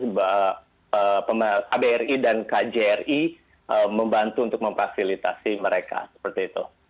bahwa kbri dan kjri membantu untuk memfasilitasi mereka seperti itu